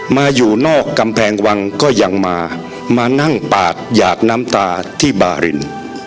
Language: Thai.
อยู่นอกกำแพงวังก็ยังมามานั่งปาดหยาดน้ำตาที่บาริน